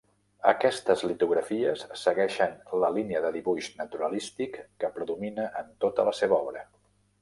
Aquestes litografies segueixen la línia de dibuix naturalístic que predomina en tota la seva obra.